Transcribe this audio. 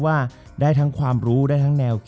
จบการโรงแรมจบการโรงแรม